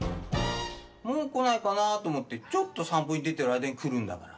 もう来ないかなぁと思ってちょっと散歩に出てる間に来るんだから。